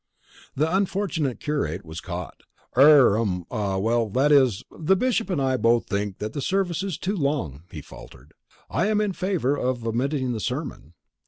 The unfortunate curate was caught. "Er hum well that is, the Bishop and I both think that the service is too long," he faltered. "I am in favour of omitting the sermon."